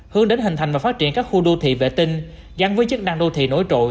hướng đến hình thành và phát triển các khu đô thị vệ tinh gắn với chức năng đô thị nổi trội